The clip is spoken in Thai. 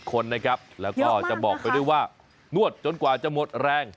เยอะมากนะคะแล้วก็จะบอกไปด้วยว่านวดจนกว่าจะหมดแรง